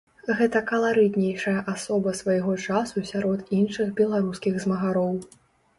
Гэта каларытнейшая асоба свайго часу сярод іншых беларускіх змагароў.